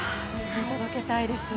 見届けたいです。